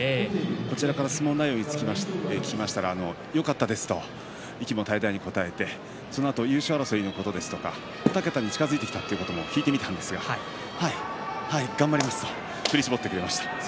こちらから相撲内容について聞きましたら、よかったですと息も絶え絶えに答えてそのあと優勝争いのことですとか２桁に近づいたということを聞いてみたんですが頑張りますと振り絞ってくれました。